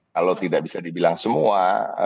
kalau tidak bisa dibilang semua